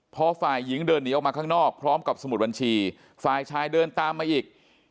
พอฝ่ายหญิงเดินหนีออกมาข้างนอกพร้อมกับสมุดบัญชีฝ่ายชายเดินตามมาอีก